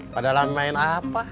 padahal main apa